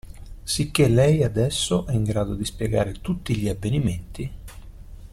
Sicché lei, adesso, è in grado di spiegare tutti gli avvenimenti?